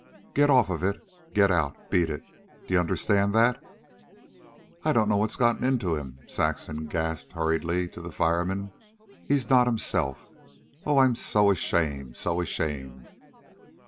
Get off of it. Get out. Beat it. D'ye understand that?" "I don't know what's got into him," Saxon gasped hurriedly to the fireman. "He's not himself. Oh, I am so ashamed, so ashamed."